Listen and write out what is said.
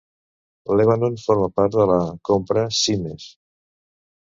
Lebanon forma part de la Compra Symmes.